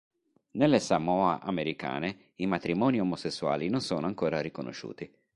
Nelle Samoa Americane i matrimoni omosessuali non sono ancora riconosciuti.